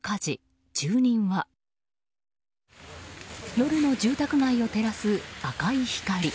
夜の住宅街を照らす、赤い光。